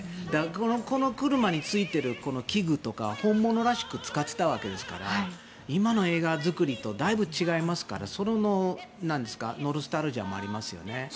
この車についている器具とか本物らしく使っていたわけですから今の映画作りとだいぶ違いますからそれのノスタルジーもありますよね。